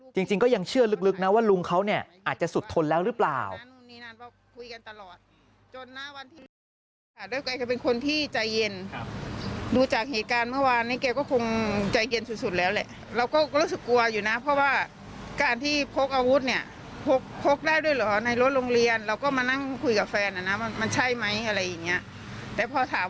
จริงก็ยังเชื่อลึกนะว่าลุงเขาเนี่ยอาจจะสุดทนแล้วหรือเปล่า